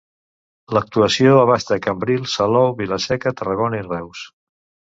L'actuació abasta Cambrils, Salou, Vila-seca, Tarragona i Reus.